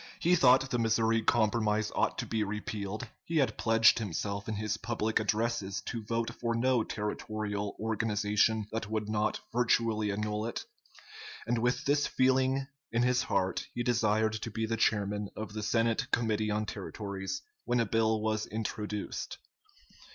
He thought the Missouri Compromise ought to be repealed; he had pledged himself in his public addresses to vote for no territorial organization that would not virtually annul it; and with this feeling in his heart he desired to be the chairman of the Senate Committee on Territories when a bill was introduced.